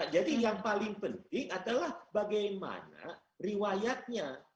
jadi yang paling penting adalah bagaimana riwayatnya